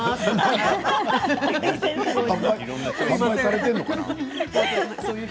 販売されているのかな？